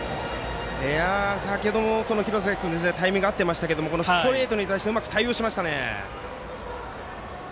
先程も廣崎君はタイミング合っていましたがストレートに対してうまく対応しましたね。